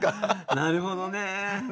なるほどね。ね。